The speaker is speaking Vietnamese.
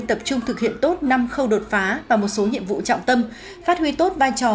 tập trung thực hiện tốt năm khâu đột phá và một số nhiệm vụ trọng tâm phát huy tốt vai trò